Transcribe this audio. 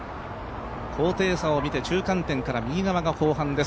高低差を見て中間点から右側が後半です。